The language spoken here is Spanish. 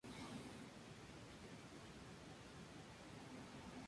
El padre de Fox es originario de las Bahamas, y su madre es italiana-canadiense.